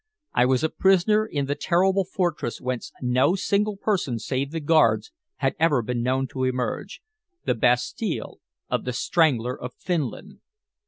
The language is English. I was a prisoner in the terrible fortress whence no single person save the guards had ever been known to emerge the Bastille of "The Strangler of Finland!"